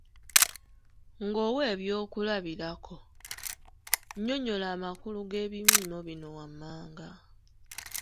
Ng’owa ebyokulabirako, nnyonnyola amakulu g’ebimiimo bino wammanga.